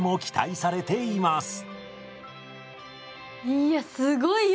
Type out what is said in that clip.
いやすごいよ！